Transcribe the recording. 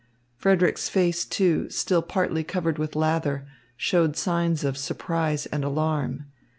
Frederick's face, too, still partly covered with lather, showed signs of surprise and alarm.